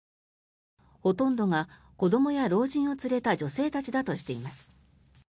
ほとんどが子どもや老人を連れた女性たちだとしています。